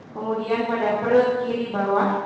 kemudian pada perut kiri bawah